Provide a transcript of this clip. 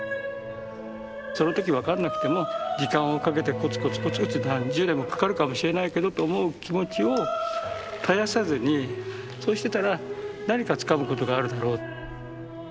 その時分かんなくても時間をかけてコツコツコツコツ何十年もかかるかもしれないけどと思う気持ちを絶やさずにそうしてたら何かつかむことがあるだろう。